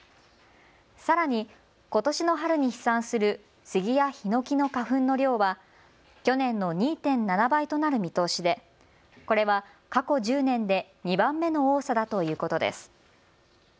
さらにことしの春に飛散するスギやヒノキの花粉の量は去年の２．７倍となる見通しでこれは過去１０年で２番目の多さだということです。